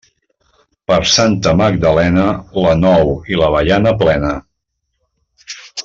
Per Santa Magdalena, l'anou i l'avellana plena.